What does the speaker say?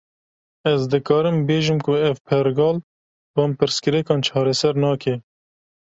Ez dikarim bêjim ku ev pergal, van pirsgirêkan çareser nake